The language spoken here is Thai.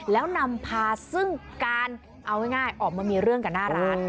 แล้วนำพาซึ่งการเอาง่ายออกมามีเรื่องกับหน้าร้าน